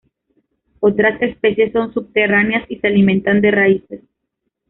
Otras especies son subterráneas y se alimentan de raíces.